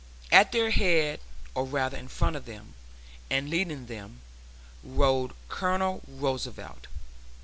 At their head, or rather in front of them and leading them, rode Colonel Roosevelt.